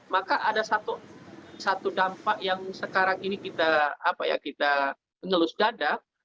maka ada satu dampak yang sekarang ini kita ngelus dadak